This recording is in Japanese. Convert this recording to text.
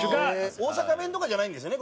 大阪弁とかじゃないんですよね？